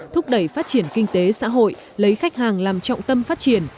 thúc đẩy phát triển kinh tế xã hội lấy khách hàng làm trọng tâm phát triển